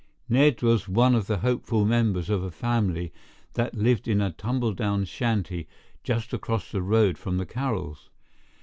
Ned was one of the hopeful members of a family that lived in a tumble down shanty just across the road from the Carrolls.